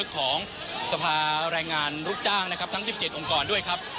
ของสภารายงานรุกจ้างทั้ง๑๗องค์กรด้วยครับ